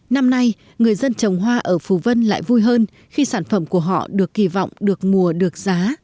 năm nay người dân trồng hoa ở phù vân lại vui hơn khi sản phẩm của họ được kỳ vọng được mùa được giá